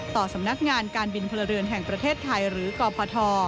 ต่อสำนักงานการบินพลเรือนแห่งประเทศไทยหรือกพท